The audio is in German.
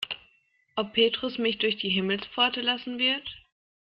Ob Petrus mich durch die Himmelspforte lassen wird?